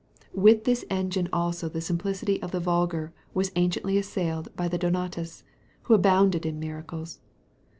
With this engine also the simplicity of the vulgar was anciently assailed by the Donatists, who abounded in miracles.